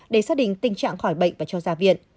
để xác định tình trạng khỏi bệnh và cho ra viện